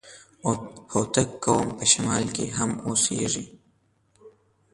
هوتک قوم په شمال کي هم اوسېږي.